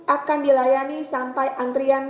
akan dilayani sampai antrian